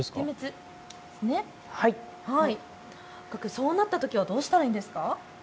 そうなったときはどうしたらいいんですか。